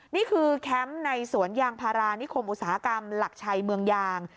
นี่คือแคมป์ในสวนยางพารานิคมอุตสาหกรรมหลักชัยเมืองยาง